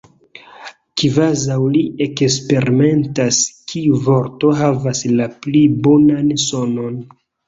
kvazaŭ li eksperimentas kiu vorto havas la pli bonan sonon.